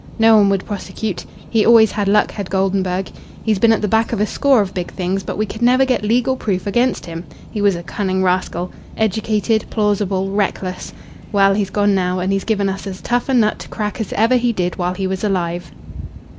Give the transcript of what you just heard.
No one would prosecute. He always had luck, had Goldenburg. He's been at the back of a score of big things, but we could never get legal proof against him. He was a cunning rascal educated, plausible, reckless. Well, he's gone now, and he's given us as tough a nut to crack as ever he did while he was alive."